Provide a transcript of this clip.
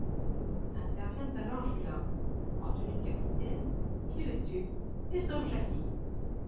Intervient alors Julin, en tenue de capitaine, qui les tue et sauve Jacky.